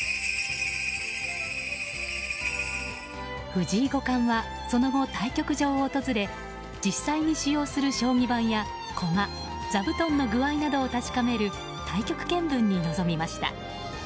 藤井五冠はその後、対局場を訪れ実際に使用する将棋盤や、駒座布団の具合などを確かめる対局検分に臨みました。